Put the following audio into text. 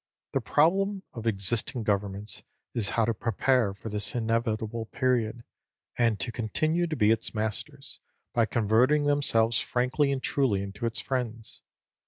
The problem of existing governments is how to prepare for this inevitable period, and to continue to be its masters, by converting themselves frankly and truly into its friends.